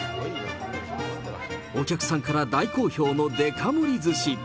お客さんから大好評のデカ盛りずし。